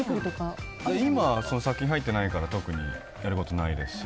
今、最近入ってないから特にやることないですし。